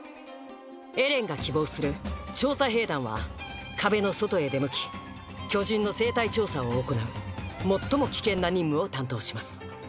エレンが希望する「調査兵団」は壁の外へ出向き巨人の生態調査を行う最も危険な任務を担当します。